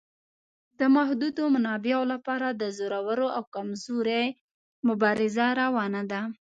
د محدودو منابعو لپاره د زورور او کمزوري مبارزه روانه ده.